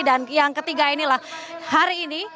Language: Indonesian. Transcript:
dan yang ketiga inilah hari ini